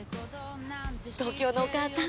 東京のお母さん。